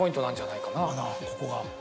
ここが。